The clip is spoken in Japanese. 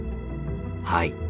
はい。